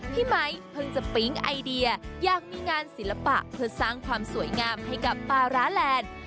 ไมค์เพิ่งจะปิ๊งไอเดียอยากมีงานศิลปะเพื่อสร้างความสวยงามให้กับปลาร้าแลนด์